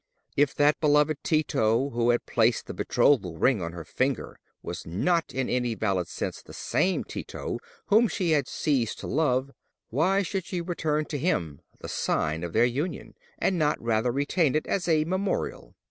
If that beloved Tito who had placed the betrothal ring on her finger was not in any valid sense the same Tito whom she had ceased to love, why should she return to him the sign of their union, and not rather retain it as a memorial?